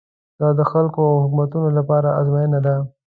دا د خلکو او حکومتونو لپاره ازموینه ده.